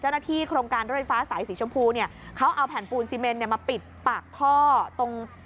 โครงการรถไฟฟ้าสายสีชมพูเนี่ยเขาเอาแผ่นปูนซีเมนเนี่ยมาปิดปากท่อตรง